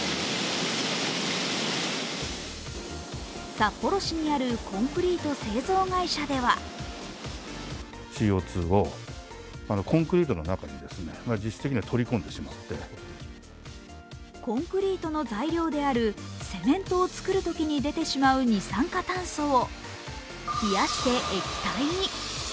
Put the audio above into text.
札幌市にあるコンクリート製造会社ではコンクリートの材料であるセメントを作るときに出てしまう二酸化炭素を冷やして液体に。